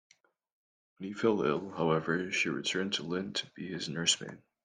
When he fell ill, however, she returned to Lynn to be his nursemaid.